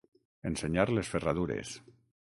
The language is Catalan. Ensenyar les ferradures.